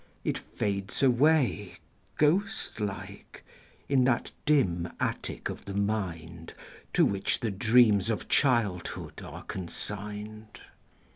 It fades away, Ghost like, in that dim attic of the mind To which the dreams of childhood are consigned.